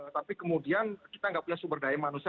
tapi kemudian kita nggak punya sumber daya manusia